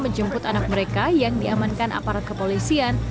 menjemput anak mereka yang diamankan aparat kepolisian